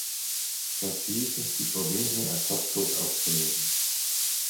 Das hieße, die Provinzen ersatzlos aufzulösen.